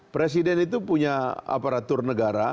presiden itu punya aparatur negara